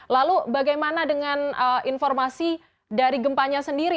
lalu bagaimana dengan informasi dari gempanya sendiri